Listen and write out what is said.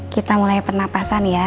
kita mulai pernapasan ya